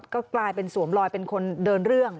ก็กลายเป็นสวมลอยเป็นคนเดินเรื่อง